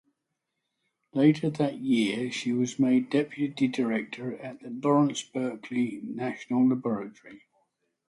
Later that year she was made Deputy Director at the Lawrence Berkeley National Laboratory.